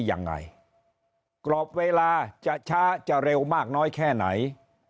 ยังไงกรอบเวลาจะช้าจะเร็วมากน้อยแค่ไหน